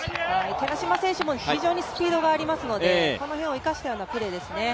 寺嶋選手も非常にスピードがありますので、この辺を生かしたようなプレーですね。